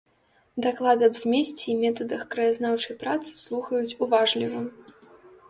Даклад аб змесце і метадах краязнаўчай працы слухаюць уважліва.